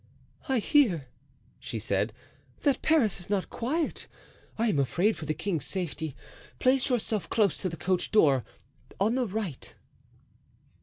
"I hear," she said, "that Paris is not quiet. I am afraid for the king's safety; place yourself close to the coach door on the right."